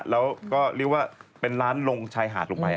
แล้วก็เรียกว่าเป็นร้านลงชายหาดลงไป